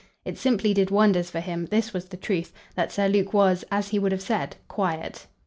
It simply did wonders for him this was the truth that Sir Luke was, as he would have said, quiet.